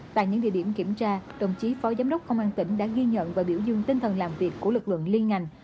tại những địa điểm kiểm tra đồng chí phó giám đốc công an tỉnh đã ghi nhận và biểu dương tinh thần làm việc của lực lượng liên ngành